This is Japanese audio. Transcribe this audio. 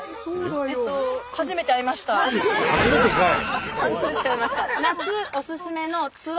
初めてかい！